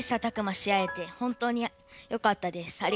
たくましあえて本当によかったです。